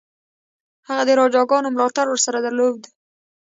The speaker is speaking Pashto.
هغه د راجاګانو ملاتړ ورسره درلود.